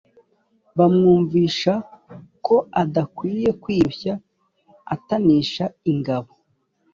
bamwumvisha ko adakwiye kwirushya atanisha ingabo